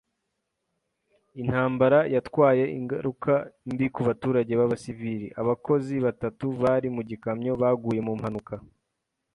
Intambara yatwaye ingaruka mbi ku baturage b'abasivili. Abakozi batatu bari mu gikamyo baguye mu mpanuka.